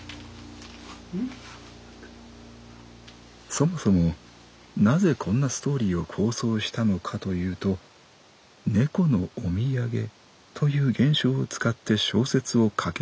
「そもそもなぜこんなストーリーを構想したのかというと『猫のお土産』という現象を使って小説を書けないかと思ったからだ」。